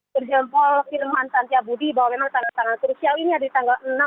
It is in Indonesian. terjempol filman tantia budi bahwa memang tanggal tanggal krusial ini ada di tanggal enam